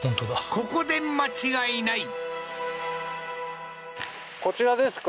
ここで間違いない！